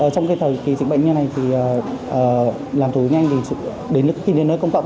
trong thời kỳ dịch bệnh như thế này thì làm thủ nhanh thì đến nơi công cộng